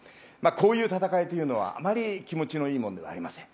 こういう戦いというのはあまり気持ちのいいものではありません。